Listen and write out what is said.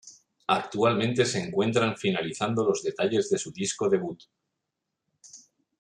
Actualmente se encuentran finalizando los detalles de su disco debut.